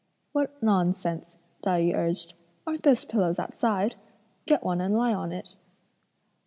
"What nonsense!" Tai yü urged, "aren't those pillows outside? get one and lie on it."